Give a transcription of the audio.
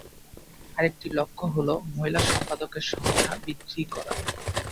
আরেকটি লক্ষ্য হল মহিলা সম্পাদকের সংখ্যা বৃদ্ধি করা।